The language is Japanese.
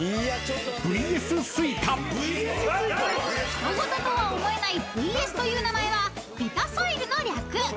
［人ごととは思えないＶＳという名前はビタソイルの略］